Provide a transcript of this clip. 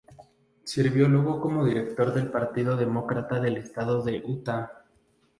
Sirvió luego como director del partido demócrata del estado de Utah.